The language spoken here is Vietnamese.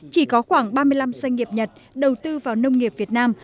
chỉ có khoảng ba mươi năm doanh nghiệp nhật đầu tư vào nông nghiệp việt nam